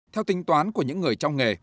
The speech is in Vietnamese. theo tính toán của những người trong nghề